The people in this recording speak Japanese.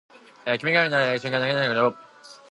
君が笑顔になる瞬間なんで泣けてくるんだろう